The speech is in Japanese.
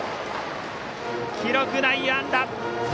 記録は内野安打！